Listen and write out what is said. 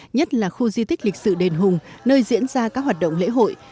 nhất là khu di tích lịch sử đền hùng nơi diễn ra các hoạt động lễ hội